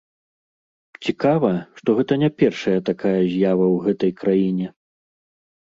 Цікава, што гэта не першая такая з'ява ў гэтай краіне.